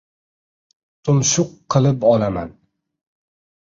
Tumshuq qilib olaman!